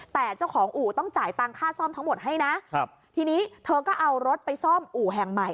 แต่เจ้าของอู่ต้องจ่ายตังค่าซ่อมทั้งหมดให้นะครับทีนี้เธอก็เอารถไปซ่อมอู่แห่งใหม่